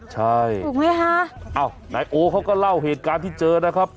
ใช่ถูกไหมคะอ้าวนายโอเขาก็เล่าเหตุการณ์ที่เจอนะครับ